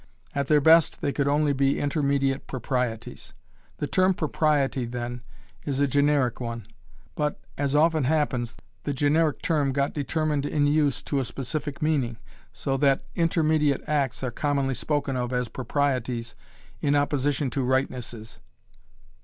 At their best they could only be "intermediate proprieties." The term "propriety," then, is a generic one. But, as often happens, the generic term got determined in use to a specific meaning, so that intermediate acts are commonly spoken of as "proprieties" in opposition to "rightnesses."